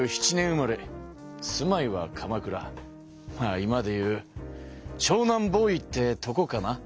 まあ今で言う湘南ボーイってとこかな？